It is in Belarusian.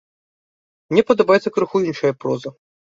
Мне падабаецца крыху іншая проза.